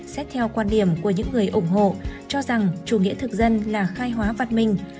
xét theo quan điểm của những người ủng hộ cho rằng chủ nghĩa thực dân là khai hóa vật minh